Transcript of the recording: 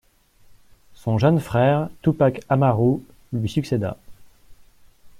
Son jeune frère, Tupac Amaru lui succéda.